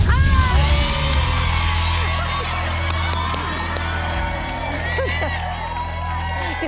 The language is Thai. ถูก